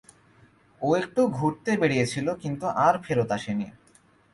ও একটু ঘুরতে বেড়িয়েছিল, কিন্তু আর ফেরত আসেনি!